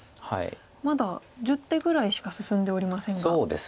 まだ１０手ぐらいしか進んでおりませんが。